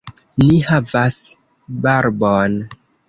Ni havas barbon.